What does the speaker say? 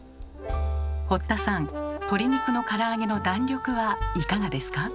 堀田さん鶏肉のから揚げの弾力はいかがですか？